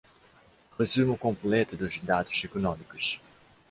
Resumo completo dos dados econômicos.